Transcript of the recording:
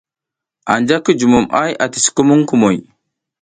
Anja ki jumom ay ati sukumuŋ kumoy.